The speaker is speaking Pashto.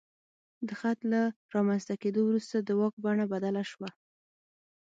د خط له رامنځته کېدو وروسته د واک بڼه بدله شوه.